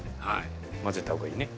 混ぜた方がいいね。